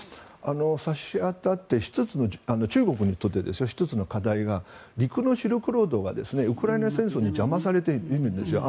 差し当たって中国の１つの課題が陸のシルクロードがウクライナ戦争に邪魔されているんですよ。